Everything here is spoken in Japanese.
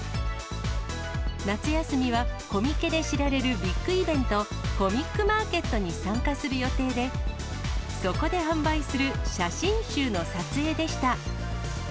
夏休みはコミケで知られるビッグイベント、コミックマーケットに参加する予定で、そこで販売する写真集の撮影でした。